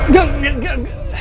gak gak gak